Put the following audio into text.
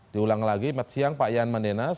diulang lagi siang pak yan mandenas